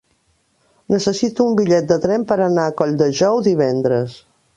Necessito un bitllet de tren per anar a Colldejou divendres.